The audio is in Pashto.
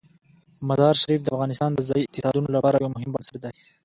مزارشریف د افغانستان د ځایي اقتصادونو لپاره یو مهم بنسټ دی.